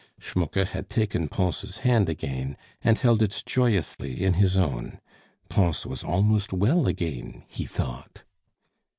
Schmucke had taken Pons' hand again, and held it joyously in his own. Pons was almost well again, he thought.